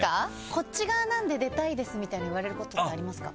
「こっち側なので出たいです」みたいに言われることってありますか？